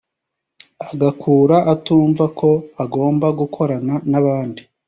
agakura atumva ko agomba gukorana n’abandi